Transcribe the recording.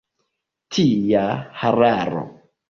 Tia hararo!